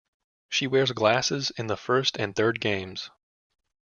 She wears glasses in the first and third games.